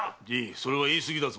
それは言い過ぎだぞ。